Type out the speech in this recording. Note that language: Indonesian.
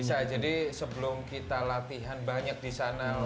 bisa jadi sebelum kita latihan banyak disana